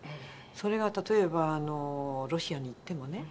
それが例えばロシアに行ってもね